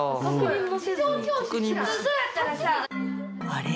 あれ？